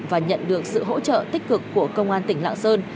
và nhận được sự hỗ trợ tích cực của công an tỉnh lạng sơn